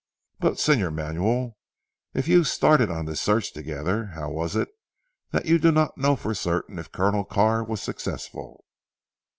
"But Señor Manuel, if you started on this search together, how was it that you do not know for certain if Colonel Carr was successful?"